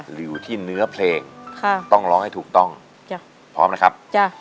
อยู่ที่เนื้อเพลงค่ะต้องร้องให้ถูกต้องจ้ะพร้อมนะครับจ้ะ